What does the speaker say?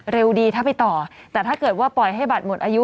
เร็วดีถ้าไปต่อแต่ถ้าเกิดว่าปล่อยให้บัตรหมดอายุ